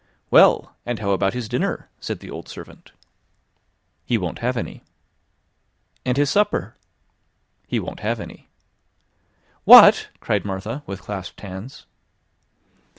"Well; and how about his dinner?" said the old servant. "He won't have any." "And his supper?" "He won't have any." "What?" cried Martha, with clasped hands.